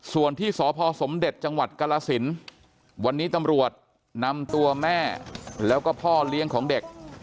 ส่วนที่สพสมเด็จจังหวัดกรสินวันนี้ตำรวจนำตัวแม่แล้วก็พ่อเลี้ยงของเด็ก